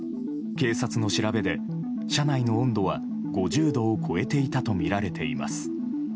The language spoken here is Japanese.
警察の調べで、車内の温度は５０度を超えていたとみられています。